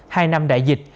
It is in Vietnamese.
hai năm đại dịch